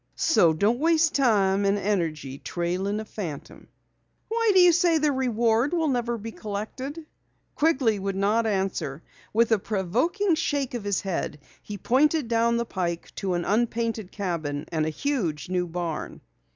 So don't waste time and energy trailing a phantom." "Why do you say the reward never will be collected?" Quigley would not answer. With a provoking shake of his head, he pointed down the pike to an unpainted cabin and a huge new barn.